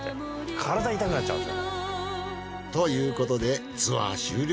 体痛くなっちゃうんですよね。ということでツアー終了。